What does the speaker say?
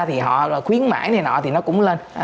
thì họ khuyến mãi thì nó cũng lên